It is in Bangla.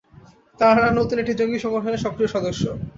তাঁরা নতুন একটি জঙ্গি সংগঠনের সক্রিয় সদস্য।